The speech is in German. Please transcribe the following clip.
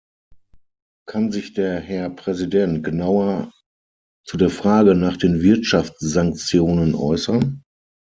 Kann sich der Herr Präsident genauer zu der Frage nach den Wirtschaftssanktionen äußern?